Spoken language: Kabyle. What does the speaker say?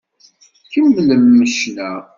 Kemmlem ccna!